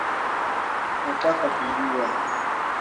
Nataka kujua